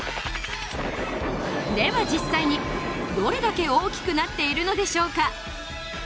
では実際にどれだけ大きくなっているのでしょうか？